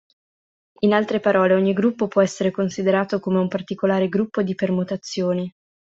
In altre parole, ogni gruppo può essere considerato come un particolare gruppo di permutazioni.